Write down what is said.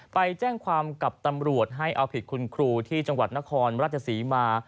ไปแจ้งความกับตำรวจให้เอาผิดคุณครูที่จังหวัดนครราชศรีมา